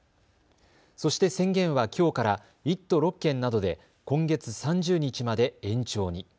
そして宣言はきょうから１都６県などで今月３０日まで延長に。